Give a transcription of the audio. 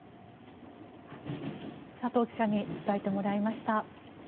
佐藤記者に伝えてもらいました。